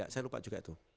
saya lupa juga itu